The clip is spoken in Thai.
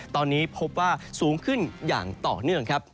ตอนนี้พบว่าสูงขึ้นอย่างต่อเนื่องครับ